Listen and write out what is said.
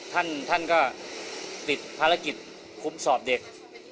ท่านก็ติดภารกิจคุ้มสอบเด็ก